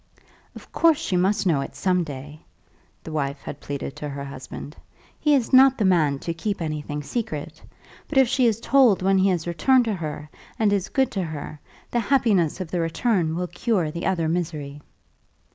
"Of course she must know it some day," the wife had pleaded to her husband. "He is not the man to keep anything secret. But if she is told when he has returned to her, and is good to her, the happiness of the return will cure the other misery."